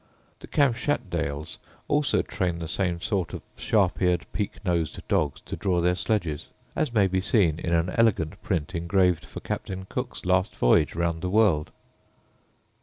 The Kamschatdales also train the same sort of sharp eared peak nosed dogs to draw their sledges; as may be seen in an elegant print engraved for Captain Cook's last voyage round the world.